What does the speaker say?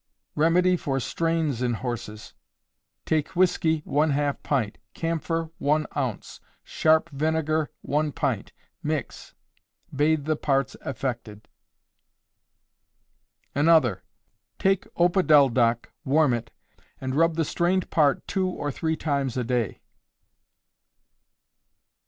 Remedy for Strains in Horses. Take whiskey, one half pint: camphor, one ounce; sharp vinegar, one pint. Mix. Bathe the parts affected. Another. Take opodeldoc, warm it, and rub the strained part two or three times a day.